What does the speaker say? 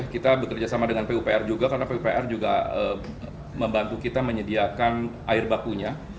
kita bekerja sama dengan pupr juga karena pupr juga membantu kita menyediakan air bakunya